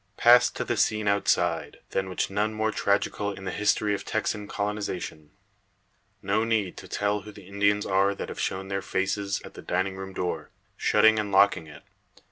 Pass to the scene outside, than which none more tragical in the history of Texan colonisation. No need to tell who the Indians are that have shown their faces at the dining room door, shutting and locking it.